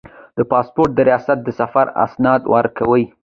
د پاسپورت ریاست د سفر اسناد ورکوي